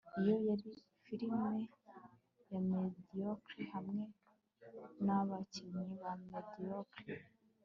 Iyo yari firime ya mediocre hamwe nabakinnyi ba mediocre